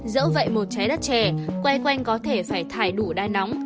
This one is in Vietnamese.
dẫu vậy một trái đất trẻ quay quanh có thể phải thải đủ đai nóng